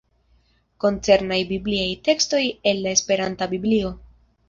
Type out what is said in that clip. Koncernaj bibliaj tekstoj el la esperanta Biblio.